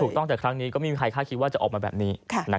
ถูกต้องแต่ครั้งนี้ก็ไม่มีใครคาดคิดว่าจะออกมาแบบนี้